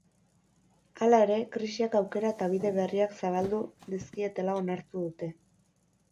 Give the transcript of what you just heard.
Hala ere, krisiak aukera eta bide berriak zabaldu dizkietela onartu dute.